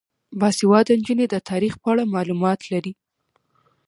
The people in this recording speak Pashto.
باسواده نجونې د تاریخ په اړه معلومات لري.